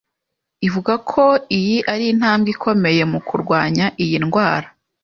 ivuga ko iyi ari intambwe ikomeye mu kurwanya iyi ndwara.